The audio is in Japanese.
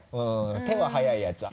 手は早いやつは。